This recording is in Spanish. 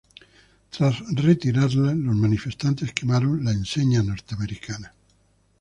Tras retirarla, los manifestantes quemaron la enseña norteamericana.